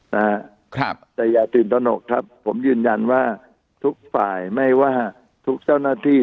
นะครับแต่อย่าตื่นตนกครับผมยืนยันว่าทุกฝ่ายไม่ว่าทุกเจ้าหน้าที่